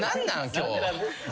今日。